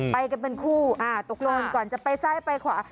ไปกันเป็นคู่อ่าตกลงก่อนจะไปซ้ายไปขวา